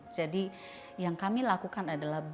jadi yang kami lakukan adalah